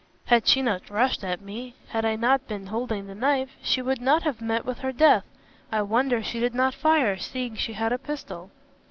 Had she not rushed at me, had I not been holding the knife, she would not have met with her death. I wonder she did not fire, seeing she had a pistol."